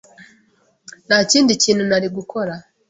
Nta kindi kintu nari gukora